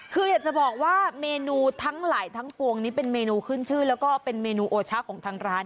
คืออยากจะบอกว่าเมนูทั้งหลายทั้งปวงนี้เป็นเมนูขึ้นชื่อแล้วก็เป็นเมนูโอชะของทางร้าน